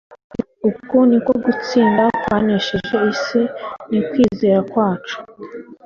uku ni ko gutsinda k kwanesheje isi ni ukwizera kwacu